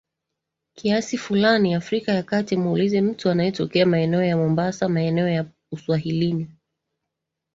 kiasi fulani Afrika ya kati Muulize mtu anayetokea maeneo ya Mombasa maeneo ya uswahilini